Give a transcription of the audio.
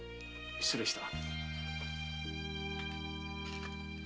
失礼した。